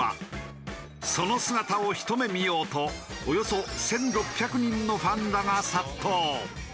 その姿をひと目見ようとおよそ１６００人のファンらが殺到。